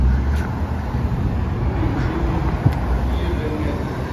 Niñ ini i yé beñel.